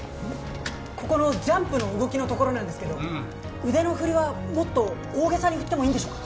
ここのジャンプの動きのところなんですけど腕の振りはもっと大げさに振ってもいいんでしょうか？